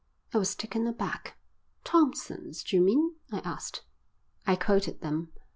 I was taken aback. "Thompson's, d'you mean?" I asked. I quoted them.